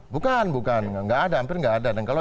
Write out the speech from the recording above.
bukan bukan enggak ada hampir enggak ada